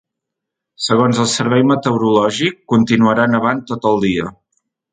Segons el servei meteorològic, continuarà nevant tot el dia.